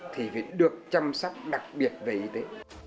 thì phải được chăm sóc đặc biệt về y tế